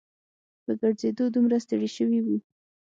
په ګرځېدو دومره ستړي شوي وو.